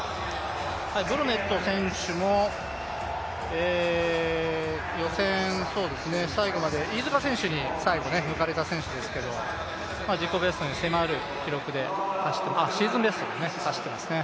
ブルネット選手も予選、最後まで飯塚選手に最後抜かれた選手ですけどシーズンベストに迫る記録で走っていますね。